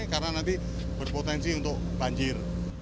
karena nanti berpotensi untuk banjir